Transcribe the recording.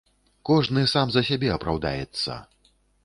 Кожны сам за сябе апраўдаецца.